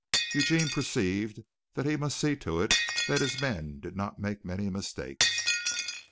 Eugene perceived that he must see to it that his men did not make many mistakes.